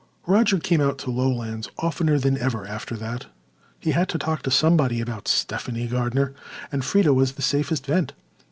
Roger came out to Lowlands oftener than ever after that. He had to talk to somebody about Stephanie Gardiner and Freda was the safest vent.